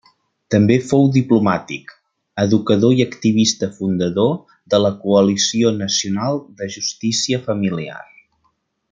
També fou diplomàtic, educador i activista fundador de la Coalició Nacional de Justícia Familiar.